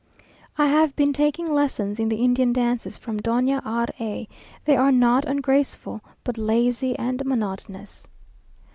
I have been taking lessons in the Indian dances from Doña R a; they are not ungraceful, but lazy and monotonous....